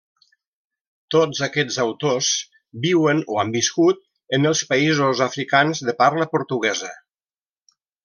Tots aquests autors viuen o han viscut en els països africans de parla portuguesa.